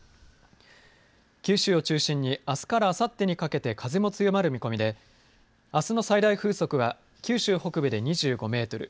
九州を中心にあすからあさってにかけて風も強まる見込みであすの最大風速は九州北部で２５メートル